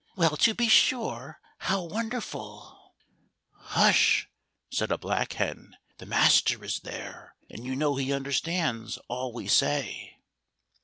Well, to be sure, how wonderful I "" Hush !" said a black hen, " the master is there, and you know he understands all we say."